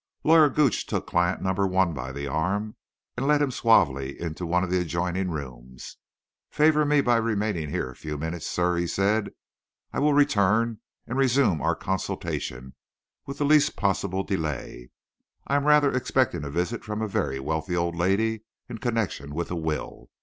Lawyer Gooch took client number one by the arm and led him suavely into one of the adjoining rooms. "Favour me by remaining here a few minutes, sir," said he. "I will return and resume our consultation with the least possible delay. I am rather expecting a visit from a very wealthy old lady in connection with a will.